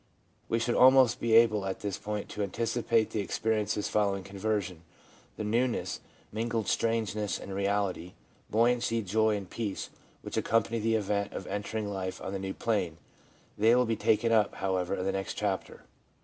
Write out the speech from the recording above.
We should almost be able at this point to anticipate the experiences following conversion, the newness, mingled strangeness and reality, buoyancy, joy and peace, which accompany the event of entering life on the new plane. They will be taken up, however, in the next chapter.